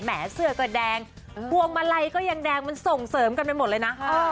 เสื้อก็แดงพวงมาลัยก็ยังแดงมันส่งเสริมกันไปหมดเลยนะ